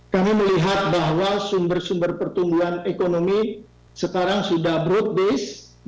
kami melihat bahwa sumber sumber pertumbuhan ekonomi sekarang sudah broad base